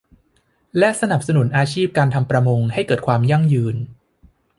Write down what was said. และสนับสนุนอาชีพการทำประมงให้เกิดความยั่งยืน